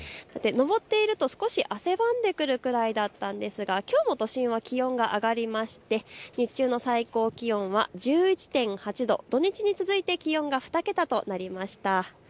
登っていると少し汗ばんでくるぐらいだったんですがきょうも都心は気温が上がりまして日中の最高気温は１１．８度、土日に続いて気温が２桁となりました。